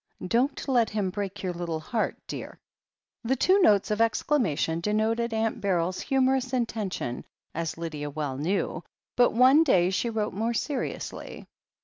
Don't let him break your little heart, dear !" The two notes of exclamation denoted Aunt Beryl's humorous intention, as Lydia well knew. But one day she wrote more seriously.